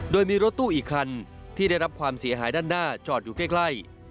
โดยมีรถตู้อีกคันที่ได้รับความเสียหายด้านหน้าจอดอยู่ใกล้